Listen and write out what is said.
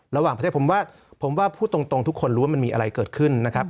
ระหว่างประเทศผมว่าผมว่าพูดตรงทุกคนรู้ว่ามันมีอะไรเกิดขึ้นนะครับ